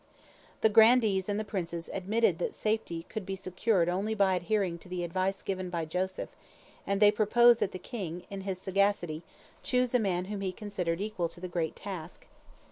The grandees and the princes admitted that safety could be secured only by adhering to the advice given by Joseph, and they proposed that the king, in his sagacity, choose a man whom he considered equal to the great task.